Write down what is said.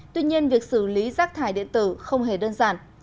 tuy nhiên việc xử lý rác thải điện tử không hề đơn giản